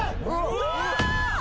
うわ！